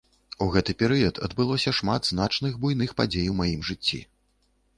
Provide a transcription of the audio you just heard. У гэты перыяд адбылося шмат значных буйных падзей у маім жыцці.